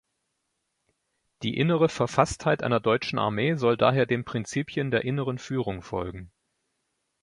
Die innere Verfasstheit einer deutschen Armee soll daher den Prinzipien der Inneren Führung folgen.